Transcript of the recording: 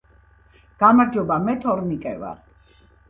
გამარჯობა მე თორნიკე ვარ